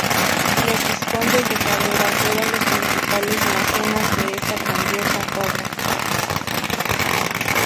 Los vizcondes de Cabrera fueron los principales mecenas de esta grandiosa obra.